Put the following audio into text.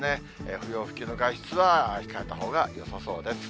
不要不急の外出は控えたほうがよさそうです。